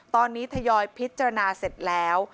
ตอนนี้ทยอยพิจารณาเสร็จแล้ว